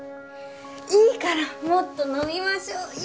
いいからもっと飲みましょうよ！